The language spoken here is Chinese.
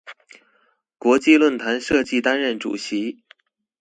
国际论坛设计担任主席。